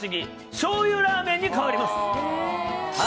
しょうゆラーメンに変わります。